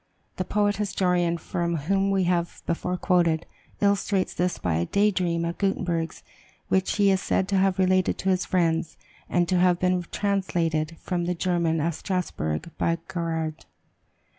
The poet historian from whom we have before quoted, illustrates this by a dream of Gutenberg's, which he is said to have related to his friends, and to have been translated from the German, at Strasbourg, by Mr. Garaud.